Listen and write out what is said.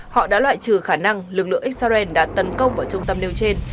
họ đã loại trừ khả năng lực lượng israel đã tấn công vào trung tâm nêu trên